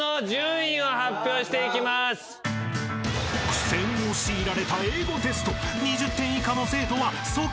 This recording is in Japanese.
［苦戦を強いられた英語テスト］